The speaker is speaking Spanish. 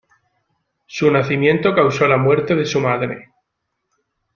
Su nacimiento causó la muerte de su madre.